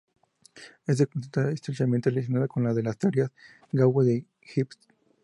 Este concepto está estrechamente relacionada con la de las teorías gauge de Higgs.